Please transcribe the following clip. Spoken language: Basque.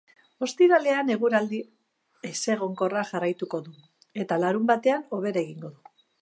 Ostiralean eguraldi ezegonkorra jarraituko du, eta larunbatean hobera egingo du.